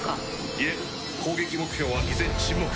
いえ攻撃目標は依然沈黙。